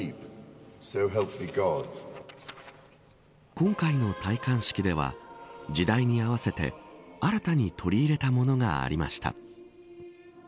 今回の戴冠式では時代に合わせて新たに取り入れたものがありました。